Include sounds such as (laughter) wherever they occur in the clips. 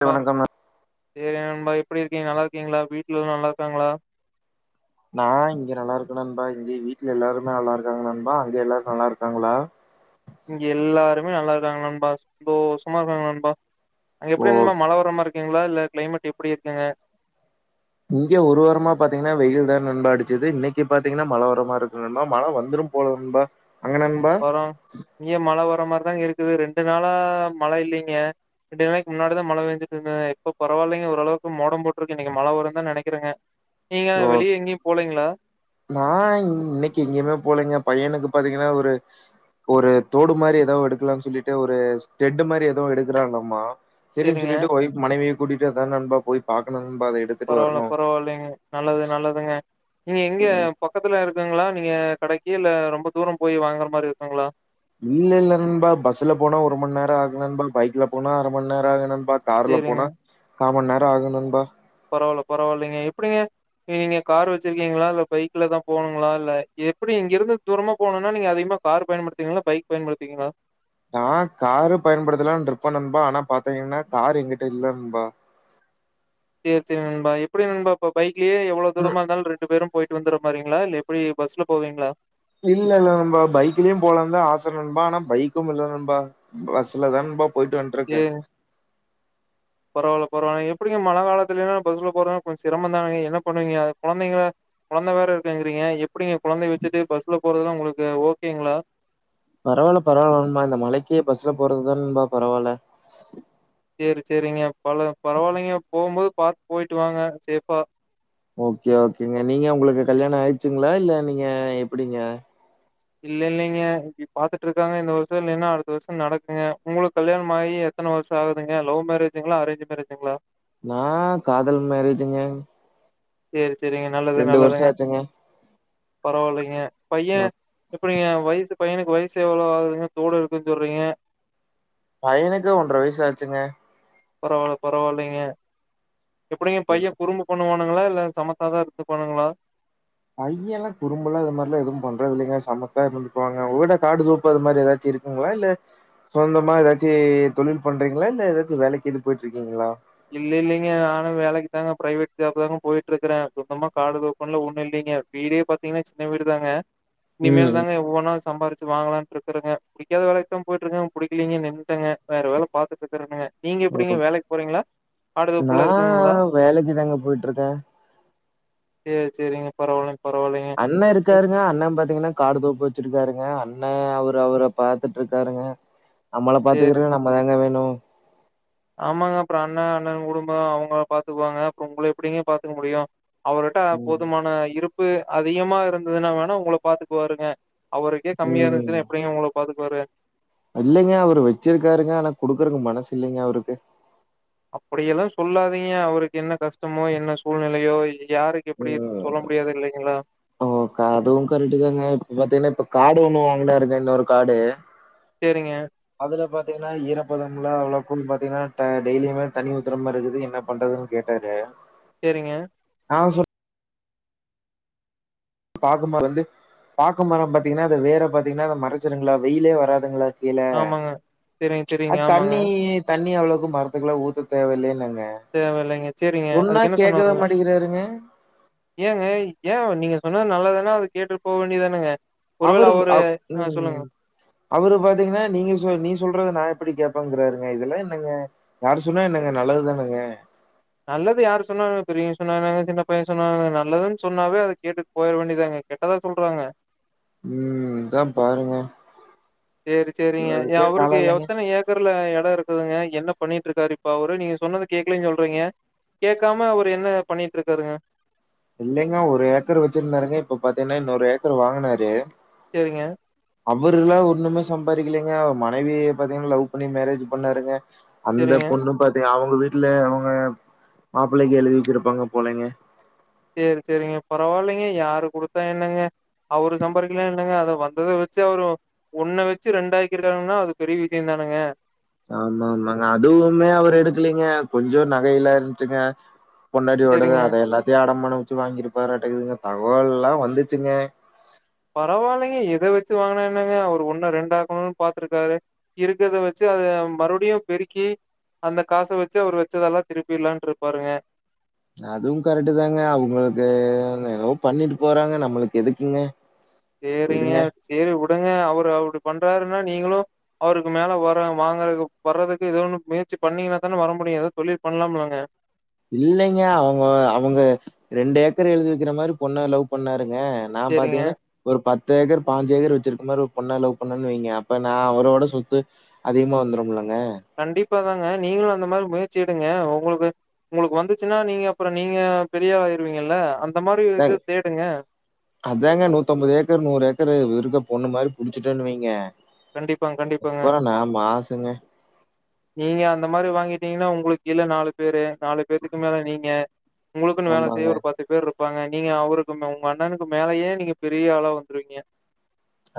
(unintelligible) வணக்கம் எ நண்பா எப்படி இருக்கீங்க நல்லா இருக்கீங்ளா வீட்ல எல்லா நல்லா இருக்காங்ளா நா இங்க நல்லா இருக்கே நண்பா இங்க வீட்ல எல்லாருமே நல்லா இருக்காங்ள நண்பா அங்க எல்லாரு நல்லா இருக்காங்களா இங்க எல்லாருமே நல்லா இருக்காங்க நண்பா சந்தோஷமா இருக்காங்க நண்பா அங்க ஓ எப்படி நண்பா மழ வர மாருக் க்குங்ளா இல்ல க்ளைமேட் எப்டி இருக்குங்க இங்கே ஒருவாரமா பாத்தீங்கன்னா வெயில் தா நண்பா அடிச்சது இன்னைக்கு பாத்தீங்கன்னா மழ வரமாருக்கு நண்பா மழ வந்துரும் போல நண்பா அங்க நண்பா ம் இங்கியு மழ வர மாரிதா இருக்குது ரெண்டு நாளா மழ இல்லீங்க ரெண்டு நாளைக்கு முன்னாடிதா மழ பேஞ்சிட்டு இருந்தது இப்போ பரவாயல்லைங்க ஓரளவுக்கு மோடம் போட்ருக்கு இன்னைக்கு மழ வருந்தா நெனைக்கிறேங்க நீங்க ஓ வெளிய எங்கியு போலீங்ளா நா இன்னைக்கு எங்கயுமே போலங்க பையனுக்கு பாத்தீங்கன்னா ஒரு ஒரு தோடு மாரி ஏதோ எடுக்கலான் சொல்லிட்டு ஒரு ஸ்டெட்டு மாரி ஏதோ எடுக்கறாங்களலாமா சரிின் சேரிங்க சொல்லிட்டுய் மனைவியை கூட்டிட்டு தான் நண்பா போய் பாணும் நா அதை எடுத்து பரவாயில்ல பரவாயில்லைங்க நல்லது நல்லதுங்க இங்க எங்க பக்கத்துல இரு இல்லங்ளா நீங்க கடைக்கு இல்ல ரொம்ப தூர போய் வாங்குற மாரி இருக்குங்ளா இல்ல இல்ல நண்பா பஸ்ல போனா ஒரு மண்நேரோ ஆகு நண்பா பைக்ல போனா அரமண்நேரோ ஆகு நண்பா கார்ல சேரிங்க போனா காமண் நேரோ ஆகு நண்பா பரவால்ல பரவால்லிங்க எப்டிங்க எ நீங்க கார் வெச்சிருக்கீங்ளா இல்ல பைக்ல தா போனுங்ளா இல்ல எப்டி இங்கிருந்து தூரமா போனுனா நீங்க அதிக்மா கார் பயன்படுத்துவீங்ளா பைக் பயன்படுத்துவீங்ளா நா காரு பயன்படுத்தலான் இருப்ப நண்பா ஆனா பாத்தீங்கன்னா கார் எங்கிட்ட இல்ல நண்பா எ செ நண்பா எப்டி நண்பா இப்ப பைக்லே எவ்ளோ ம். தூரமாந்தாலு ரெண்டு பேரு போயிட்டு வந்துற மாரிங்ளா இல்ல எப்டி பஸ்ல போவீங்ளா இல்லல்ல நண்பா பைக்லயு போலந்தா ஆச நண்பா ஆனா பைக்குமில்ல நண்பா பஸ்ல தா ண்பா போயிட்டு ஏ வன்ட்ருக்கே பரவால்ல பரவால்ல எப்டிங்க மழ காலத்திலேலா பஸ்ல போறாங் கொஞ் சிரமோ தானங்க என்ன பண்ணுவீங்க குழந்தைங்கள கொழந்தை வேற இருக்கிங்கிறீங்க எப்டிங்க குழந்தை வச்சுட்டு பஸ்ல போறதுலா உங்ளுக்கு ஓகேங்ளா பரவால்ல பரவால்ல நண்பா இந்த மழைக்கே பஸ்ல போறதுதா நண்பா பரவால்ல சேரி சேரிங்க பல பரவால்லைங்க போம்போது பாத்து போயிட்டு வாங்க சேபா ஓகே ஓகேங்க நீங்க உங்ளுக்கு கல்யாண ஆய்ச்சுங்ளா இல்ல நீங்க எப்டிங்க இல்ல இல்லிங்க இப் பாத்துட்ருக்காங்க இந்த வருஷோ இல்லைனா அடுத்த வருஷோ நடக்குங்க உங்ளுக்கு கல்யாணம் ஆயி எத் த்தன வர்ஷோ ஆகுதுங்க லவ் மேரேஜுங்ளா அரேஞ் மேரேஜுங்ளா நா காதல் மேரேஜுங்க சேரி சேரிங்க நல்லது வருஷம் நல்லதுங்க ஆச்சுங்க. பரவால்லைங்க பையே எப்டிங்க வயசு பையனுக்கு வயசு எவ்ளோ ஆவுதுங்க தோடு எடுக்குன் சொல்றீங்க பையனுக்கு ஒன்ர வயசு ஆச்சுங்க பரவால்ல பரவால்லைங்க எப்டிங்க பைய குறும்பு பண்ணுவானுங்ளா இல்ல சமத்தாதா இர்ந்துப்பாணுங்ளா பையலா குறும்பலா அது மாரிலா எதுவு பண்றதுல்லைங்க சமத்தா இர்ந்துக்கு வாங்க வீட காடு தோப்பு அத மாரி ஏதாச்சிருக் உங்ளா இல்ல சொந்தமா ஏதாச்சு தொழில் பண்றீங்ளா இல்ல ஏதாச்சு வேலைக்கி இது போயிட்ருக்கீங்ளா இல்ல இல்லிங்க நானு வேலைக்கு தாங்க பிரைவேட் ஜாப் தாங்க போயிட்ருக்கறே சொந்தமா காடு தோப்புன்லா ஒண்ணு இல்லைங்க வீடே பாத்தீங்னா சின்ன வீடு தாங்க இனிமேல் ம். தாங்க ஒவ்வொன்னா சம்பாரி ச்சு வாங்கலான் ருக்கிறங்க பிடிக்காத வேலைக்தா போயிட்ருக்க புடிக்கிளிங்க நின்ட்டேங்க வேற வேலபாத் துட்ருக்கறங்க நீங்க எப்டிங்க வேலைக் போறீங்ளா நா வேலைக்கு தாங்க போயிட்ருக்க சேர் செரிங்க பரவால்லங் பரவால்லைங்க அண்ணே இருக்காருங்க அண்ணே பாத்தீங்னா காடு தோப்பு வெச்சிருக்காருங்க அண்ணே அவர் அவுர பாத்துட்ருக்காருங்க நம்மள சேரி. பாத்துக்கிறக நம்மதாங்க வேணு ஆமாங்க அப்ற அண்ண அண்ணன் குடும்போ அவுங்கள பாத்துக்குவாங்க அப்ற உங்கள எப்டிங்க பாத்துக்க முடியு அவருட்ட ம். போதுமான இருப்பு அதிகமா இருந்ததுனா வேணா உங்கள பாத்துக்குவாருங்க அவருக்கே கம்மியா ம். இருன்சுனா எப்டிங்க உங்கள பாத்துக்குவாரு இல்லைங்க அவரு வெச்சிருக்காருங்க ஆனா குடுக்குறக்கு மனசு இல்லைங்க அவருக்கு அப்டியெல்லா சொல்லாதீங்க அவருக்கு என்ன கஷ்டமோ என்ன சூழ்நிலையோ யாருக் எப்டி இருக் ம். சொல்ல முடியாது இல்லைங்ளா ஓ க அதுவு கரெட்டு தாங்க இப்ப பாத்தீங்னா இப்ப காடு ஒண்ணு வாங்குனாருங்க இன்னொரு காடு சேரிங்க அதுல பாத்தீங்கன்னா ஈரப்பதம்லா அவ்ளவுக்கு பாத்தீங்கன்னா ட டெய்லியுமே தன்னி ஊத்தர மாதிருக்குது என்ன பண்றதுன்னு கேட்டாரு சேரிங்க ஆ சொல் பாக்கு மரோ வந்து பாக்கு மரோ பாத்தீங்கன்னா அத வேற பாத்தீங்கன்னா அத மறைச்சுருங்களா வெயிலே வராதுங்களா கீழ ஆமாங்க. தெரியும், அ தெரியுங்க. ஆமாங்க. தண்ணி தண்ணி அவ்ளோக்கு மரத்துக்குல்லா ஊத்த தேவையில்லலங்க தேவையில்லைங்க. சரிங்க. சொன்னா அதுக்கு என்ன கேட்கவே சொன்னாருங்க? மாட்டிக்கிறாருங்க ஏங்க எய நீங்க சொன்னது நல்லாது தானா அவுரு கேட்டுட்டு போக வேண்டியதானங்க ஒருவேள அவரு அவ் ஆ சொல்லுங்க ம் அவரு பாத்தீங்கன்னா நீங்க சொ நீ சொல்றது நா எப்டி கேடப்பங்கிறாருங்க இதுல்லா என்னங்க யாரு சொன்னா என்னங்க நல்லதுதானங்க நல்லது யாரு சொன்னாங்க பெரியங்க சொன்னாங்கன்னாங்க சின்ன பைய சொன்னாங்க நல்லதுன்னு சொன்னாவே அத கேட்டு போயிட வேண்டியதாங்க கெட்டதா சொல்றாங்க ம் இதா பாருங்க சேரி சேரிங்க அதுக்கே காலோ அவருக்கு இல்லைங்க எத்தன ஏக் ஏக்கர்ல இட இருக்குதுங்க என்ன பண்ணிட்டு இருக்காரு இப்ப அவரு நீங்க சொன்னத கேக்கலன்னு சொல்றீங்க கேட்காம அவரு என்ன பண்ணிட்டு இருக்காருங்க இல்லைங்கா ஒரு ஏக்கர் வச்சிருந்தாலூமே இப்ப பாத்தீங்கன்னா இன்னொரு ஏக்கர் வாங்குனாரு சேரிங்க அவுருல்லா ஒண்ணுமே சம்பாதிக்கரிக்கலங்க அவரு மனைவிய பாத்தீங்கன்னா லவ் பண்ணி மேரேஜ் பண்ணாருங்க அந்த சரிங்க. பொண்ணு பாத்தீங்க அவங்க வீட்டுல அவங்க மாப்பிள்ளைக்கு எழுதி வச்சிருப்பாங்க போளங்க சேரி சேரிங்க பரவாயில்லங்க யாரு குடுத்தா என்னங்க அவரு சம்பாரிக்கல்லான்னா என்னங்க அத வந்தத வச்சு அவரு ஒன்ன வச்சு ரெண்டா ஆக்கி இருக்காங்கன்னா அது பெரிய விஷய தானங்க ஆமா ஆமாங்க அதுவுமே அவர் எடுக்கலீங்க கொஞ்ச நகையிலா இருந்துச்சுங்க பொன்னாடி ஓடுது சேரிங்க அத எல்லாத்தையு அடம்மான்னம் வச்சு வாங்கியிருப்பார்ட்டக்குதுங்க தகவல் எல்லாம் வந்துச்சுங்க பரவாயில்லைங்க எத வச்சு வாங்கினா என்னங்க அவரு ஒண்ணு ரெண்டாக்கணும்ன்னனு பாத்துருக்காரு இருக்கத வச்சு அத மறுபடியு பெருக்கி அந்த காச வச்சு அவர் வச்சதெல்லா திருப்பிலான்னு இருப்பாருங்க அதுவு கரெக்ட தாங்க அவங்களுக்கு என்னவோ பண்ணிட்டு போறாங்க நம்மளுக்கு எதுக்குங்க (unintelligible) சேரிங்க விடுங்க. சேரி விடுங்க அவரு அப்டி பண்றாருன்னா நீங்களு அவருக்கு மேல வர வாங்கறக்கு வர்றதுக்கு ஏத ஒன்னு முயற்சி பண்ணீங்கன்னா தான வர முடியு ஏதோ தொழில் பண்ணலாம்லங்க இல்லைங்க அவங்க அவங்க ரெண்டு ஏக்கர் எழுதிவிக்கிற மாதிரி பொண்ணு லவ் பண்ணாருங்க ந சேரிங்க பாத்திங்கன்னா ஒரு பத்து ஏக்கர் பாஞ்சு ஏக்கர வச்சிருக்கக்கு மாதிரி ஒரு பொண்ணா லவு பண்ணன்னு வைங்க அப்ப நா அவரோட சுத்து அதிகமா வந்துடும்லங்க கண்டிப்பா தாங்க நீங்களு அந்த மாதிரி முயற்சி எடுங்க உங்களுக்கு உங்களுக்கு வந்துச்சுன்னா நீங்க அப்பற நீங்க பெரிய ஆளா ஆயிருவீங்கல்ல அந்த மாதிரி இது அதாங்க தேடுங்க அதாங்க நூத்தம்பது ஏக்கர் நூறு ஏக்கர் இருக்குற பொண்ணு மாதிரி புடிச்சுட்டன்னு வைங்க கண்டிப்பாங்க, கண்டிப்பாங்க. அப்பற நா மாசுங்க நீங்க அந்த மாதிரி வாங்கிட்டீங்கன்னா உங்களுக்கு கீழ நாலு பேரு நாலு பேத்துக்கு மேல நீங்க உங்களுக்குன்னு வேல ஆமாங்க செய்ய ஒரு பத்து பத்து பேர் இருப்பாங்க நீங்க அவருக்கு உங்க அண்ணனுக்கு மேலயே நீங்க பெரிய ஆளா வந்துருவீங்க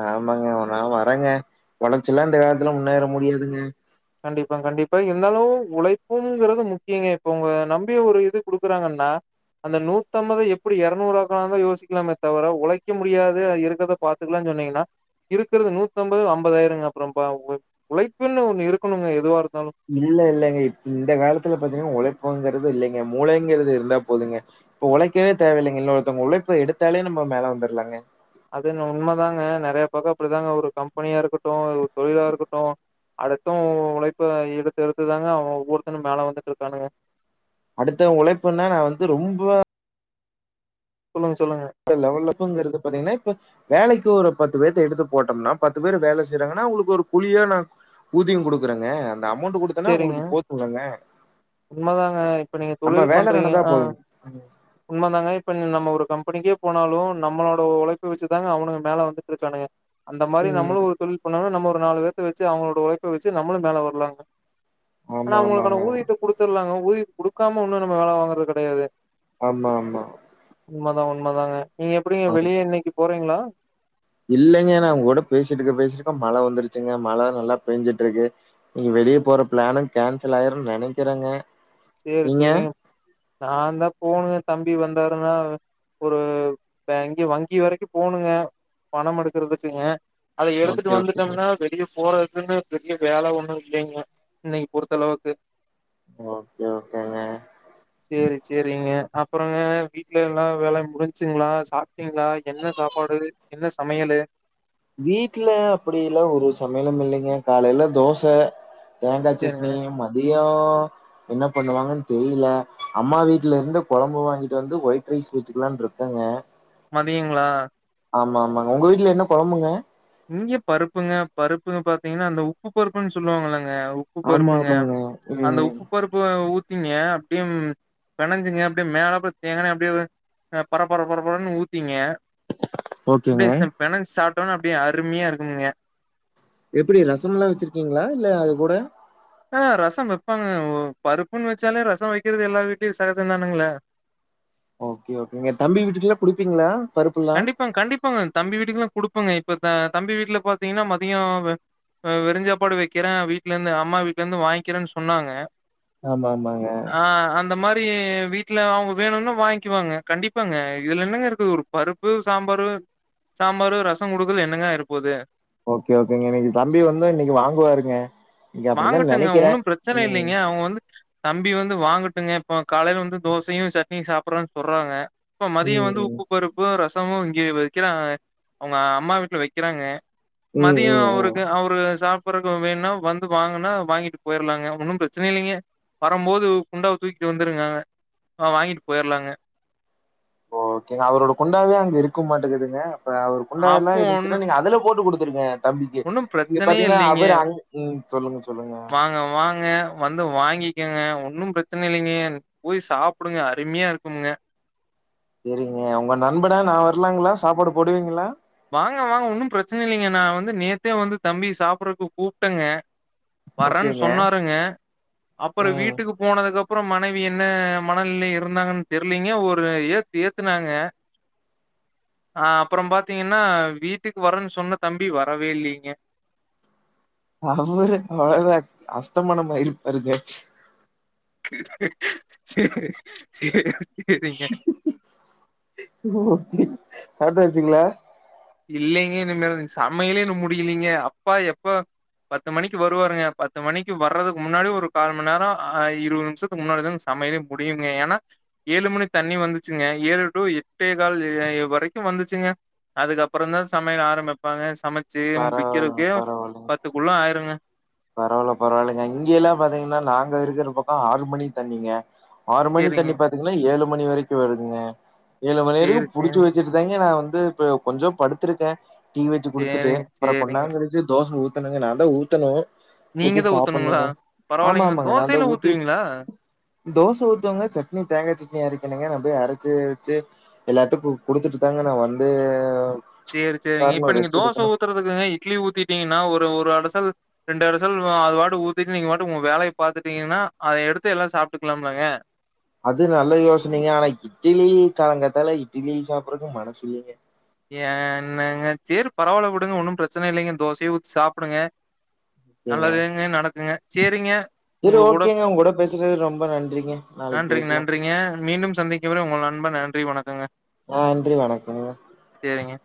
ஆமாங்க நா வர்றேங்க ஒழச்சில்லா இந்த காலத்துல முன்னேற முடியாதுங்க கண்டிப்பா கண்டிப்பா இருந்தாலு உழைப்புங்கிறது முக்கியங்க இப்ப உங்கள நம்பி ஒரு இது குடுக்குறாங்கன்னா அந்த நூத்தம்த எப்டி இரநூறுாக்கலாந்தா யோசிக்கலாமே தவர உழைக்க முடியாது இருக்கிறத பாத் துக்கலா சொன்னீங்கன்னா இருக்கறது நூத்தம்பது ஐம்பதாயிருங்க அப்றம்பா உழைப்புன்னு ஒண்ணு இருக் கணுங்க எதுவா இருந்தாலு இல்ல இல்லங்க இந்த காலத்துல பாத்தீங்கன்னா உழைப்புங்கிறது இல்லங்க மூளைங்கிறது இருந்தா போதுங்க இப்ப உழைக்கவே தேவையில்லைங்க இன்னொருத்தவங்க உழைப்ப எடுத்தாலே நம்ம மேல வந்துரலாங்க அது என்ன உண்மதாங்க நெறைய பக்கோ அப்டிதாங்க ஒரு கம்பெனியா இருக்கட்டு ஒரு தொழிலா இருக்கட்டு அடுத்தவே உழைப்ப எடுத்து எடுத்துதாங்க ஒவ்வொருத்தனு மேல வந்துட்ருக்கானுங்க அடுத்தவே உழைப்புன்னா நா வந்து ரொம்ப சொல்லுங்க சொல்லுங்க இந்த லெவலப்ங்கிறது பாத்தீங்கன்னா இப்ப வேலைக்கி ஒரு பத்து பேத்த எடுத்து போட்டம்னா பத்து பேரு வேல செய்றாங்கன்னா அவுங்களுக்கு ஒரு குழியா நா ஊதியோ குடுக்குறங்க அந்த அமௌண்ட் குடுத் தன்னா சரிங்க. அவுங்களுக்கு போது இல்லங்க உண்மதாங்க. இப்ப நீங்க நம்ம வேலை நடந்தா போது ம் உண்ம தாங்க இப்ப நம்ம ஒரு கம்பெனிக்கே போனாலு நம்மளோட உழைப்ப வச்சிதாங்க அவனுங்க மேல வந்துட்ருக்கானுங்க அந்த மாரி நம்மளு ம். ஒரு தொழில் பண்ணோன்னா நம்ம ஒரு நாலு பேத்த வச்சி அவுங்களோட உழைப்ப வச்சி நம்மளு மேல வரலாங்க ஆனா ஆமா, அவுங்களுக்கான ஆமாங்க. ஊதியத்த குடுத்துர்லாங்க ஊதியத்த குடுக்காம ஒண்ணு நம்ம வேலை வாங்கறது கெடையாது ஆமா ஆமா உண்மதா உண்மதாங்க நீங்க எப்டிங்க ஆம். வெளிய இன்னக்கி போறீங்களா இல்லங்க நா உங்க கூட பேசிட்டு இருக்க பேசிட்டு இருக்க மழ வந்துருச்சிங்க மழ நல்லா பேஞ்சிட்டு இருக்கு நீங்க வெளிய போற பிளானு கேன்சல் ஆயிருன்னு நெனைக்கிறேங்க சேரி நீங்க? சேரிங்க நான்தா போணுங்க தம்பி வந்தாருன்னா ஒரு பேங் வங்கி வரைக்கு போணுங்க பணம் எடுக்கறதுக்குங்க அத எடுத்துட்டு ஓகே, ஓகேங்க. வந்துட்டம்னா வெளிய போறதுக்குன்னு பெரிய வேல ஒண்ணு இல்லைங்க இன்னக்கி பொறுத்த அளவுக்கு ஓகே ஓகேங்க சேரி சேரிங்க அப்பறங்க வீட்ல எல்லா வேலையு முடிஞ்சிங்களா சாப் டீங்களா என்ன சாப்பாடு என்ன சமையலு வீட்ல அப்டி எல்லா ஒரு சமையலும் இல்லைங்க காலேல தோச தேங்கா சேரிங்க. சட்னி மதியோ என்ன பண்ணுவாங்கன்னு தெரியல அம்மா வீட்ல இருந்து கொழம்பு வாங்கிட்டு வந்து ஒயிட் ரைஸ் வச்சுக்கலான்னு இருக்கேங்க மதியங்களா ஆமா ஆமாங்க உங்க வீட்ல என்ன கொழம்புங்க இங்க பருப்புங்க பருப்புங்க பாத்தீங்கன்னா அந்த உப்பு பருப்புன்னு சொல்லுவாங்க இல்லங்க உப்பு ஆமா பருப்புங்க ஆமாங்க அந்த ம் உப்பு பருப் ப ஊத்திங்க அப்டியே பெனஞ்சிங்க அப்டியே மேலப்ல தேங்கா எண்ணெய அப்டியே பரப்பர பரப்பரன்னு ஊத்திங்க ஓகேங்க அப்டியே ச பெனஞ்சி சாப்ட்டோனா அப்டியே அருமையா இருக்கும்ங்க எப்டி ரசம்ல்லா வச்சிருக்கீங்களா இல்ல அது கூட ஆ ரசம் வைப்பாங்க பருப்புன்னு வச்சாலே ரசம் வைக்கிறது எல்லா வீட்லயு சகஜந்தானுங்களே ஓகே ஓகேங்க தம்பி வீட்டுக்குல்லா குடுப்பீங்களா பருப்புல்லா ஆ கண்டிப்பாங்க தம்பி வீட்டுக்குலா குடுப்பேங்க இப்ப தம்பி வீட்ல பாத்தீங்கன்னா மதியோ ஆ வெறுஞ்சாப்பாடு வைக்கிறே வீட்ல இருந்து அம்மா வீட்ல இருந்து வாங்கிறேன்னு சொன்னாங்க ஆமா ஆமாங்க ஆ அந்த மாரி வீட்டுல அவங்க வேணும்னா வாங்க்கிவாங்க கண்டிப்பாங்க இதுல என்னங்க இருக்குது ஒரு பருப்பு சாம்பாரு சாம்பார் ரசம் கொடுக்க என்னங்கா ஆயிரப்போது ஓகே ஓகேங்க இன்னைக்கு தம்பி வந்த இன்னைக்கு வாங்குவாருங்க இன்னைக்கு அப்படிதான் நனைக்கிறேன் ம் அவ வந்து தம்பி வந்து வாங்கட்டுங்க இப்போ காலையில வந்து தோசையும் சட்னியும் சாப்பிடுறோன் சொல்றாங்க இப்ப மதியம் வந்து ம் உப்பு பருப்பு ரசமும் இங்க வைக்கிற அவங்க அம்மா வீட்டுல வைக்கிறாங்க ம் ம் மதியம் ஒரு ம் கு அவரு சாப்புரகு வேணும்னா வந்து வாங்கனா வாங்கிட்டு போயிர்லாங்க ஒன்னும் பிரச்சன இல்லைங்க வரும்போது குண்டாவ தூக்கிட்டு வந்துருங்காங்க ஆ வாங்கிட்டு போயர்லாங்க ஓகேங்க அவரோட குண்டாவே அங்க இருக்க மாட்டேங்கதுங்க அப்ப அவர் குண்டாலா அப்போ ஒண்ணு இருந்துச்சுன்னா நீங்க அதல போட்டு கொடுத்துருங்க தம்பிக்கு ஒண்ணும் நீங்க பிரச்சனையே பாத்தீங்கன்னா அவரு அ ம் சொல்லுங்க சொல்லுங்க நாங்க வாங்க வந்து வாங்கிக்கோங்க ஒன்னும் பிரச்சனை இல்லைங்க போய் சாப்புடுங்க அருமையா இருக்குங்க சரிங்க உங்க நண்பன நான் வரலாங்களா சாப்பாடு போடுவீங்களா வாங்க வாங்க ஒன்னும் பிரச்சனை இல்லைங்க நான் வந்து நேத்தே வந்து தம்பி சாப்பிடுறக்கு கூப்பிட்டங்க வரேன் ஓகேங்க. சொன்னாருங்க அப்ரோ ம். வீட்டுக்கு போனதுக்குப்புரோ மனைவி என்ன மனநய இருந்தாங்கன்னு தெரியலீங்க ஒரு ஏத்து ஏத்துனாங்க அ அப்புறம் பாத்தீங்கன்னா வீட்டுக்கு வரேன்னு சொன்ன தம்பி வரவே இல்லைங்க அவரு அவ்வளவு அஸ்தமானமாயிபாருங்க ச ச ஓகே சாப்டாச்சுங்களா இல்லைங்க என்னிமல சமையலே இன்னும் முடியலீங்க அப்பா எப்ப பத்து மணிக்கு வருவாருங்க பத்து மணிக்கு வர்றதுக்கு முன்னாடி ஒரு கால் மணி நேரம் இருபது நிமிஷ முன்னதும் சமையல முடியுங்க ஏனா ஏழு மணி தண்ணி வந்துச்சுங்க ஏழு டு எட்டே கால் வரைக்கும் வந்துச்சுங்க அதுக்கப் அப்புறம் தான் சமையல் ஆரம்பிப்பாங்க சமைச்சு பரவால்லங்க, முடிக்கிறதுக்கு பரவால்லங்க. பத்துக்குள்ள ஆயிருங்க பரவால்ல பரவால்லைங்க இங்க எல்லாம் பாத்தீங்கன்னா நாங்க இருக்கிற பக்கம் ஆறு மணி தண்ணீங்க ஆறு மணி சரிங்க. தண்ணி பாத்தீங்கன்னா ஏழு மணி வரைக்கும் வருதுங்க ஏழு மணி சரி, வரைக்கும் சரி, புடிச்சு வச்ச சுட்டுங்க நான் வந்து ப கொஞ்சோ படுத்திருக்க டி வச்சு கொடுத்துட்டு சரிங்க, அப்ரோ சரிங்க. கொண்டா கச்ச தோச ஊ தனுங்க நாதா ஊத்தணும் நீங்க ஊத்தி தா ஊத்தணுங்களா சாப்பிடணுங்க ஆமா பரவாயில்லைங்களா ஆமாங்க நான் தா தோசையில ஊத்தி ஊத்துவீங்களா தோச ஊத்துவங்க சட்னி தேங்காய் சட்னி அரைக்கணுங்க நான் போய் அரச்சு வச்சு எல்லாத்துக்கும் குடுத்துட்டு தாங்க நான் வந்து சரி சரிங்க இப்ப உக்காரணு நீங்க ரெஸ்ட் தோசை எடுக்கணு ஊத்துறதுக்குங்க இட்லி ஊத்திட்டீங்கன்னா ஒரு ஒரு அடைசல் ரெண்டு இரை சல் அது வாட்ட ஊத்திட்டு நீங்க வாட்டும் உங்க வேலையை பாத்துட்டீங்கன்னா அதை எடுத்து எல்லாம் சாப்பிட்டுக்கலாம்லாங்க அது நல்ல யோசனைங்க ஆனா இட்லி காலங்கத்தால இட்லி சாப்படுறக்கு மனசு இலைங்க என்னங்க செரி பரவால்ல விடுங்க ஒன்னும் பிரச்சனை இல்லைங்க தோசையே ஊத்தி சாப்பிடுங்க ஏங்க நல்லதுங்கு நடக்குங்க செரிங்க சரி உங்க கூட ஓகேங்க உங்க பேசுறது ரொம்ப நன்றிங்க நாளைக்கு நன்றிங்க பேசலா நன்றிங்க மீண்டும் சந்திக்கும் வரை உங்க நண்பன் நன்றி வணக்கங்க ஆன்றி வணக்கங்க செரிங்க